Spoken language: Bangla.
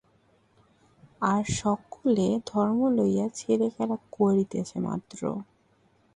আর সকলে ধর্ম লইয়া ছেলেখেলা করিতেছে মাত্র।